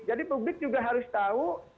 jadi publik juga harus tahu